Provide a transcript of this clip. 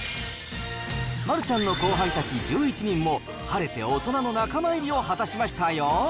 丸ちゃんの後輩たち１１人も、晴れて大人の仲間入りを果たしましたよ。